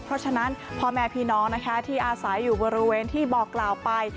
เพราะฉะนั้นพ่อแม่พี่น้องนะคะที่อาศัยอยู่บริเวณที่บอกกล่าวไป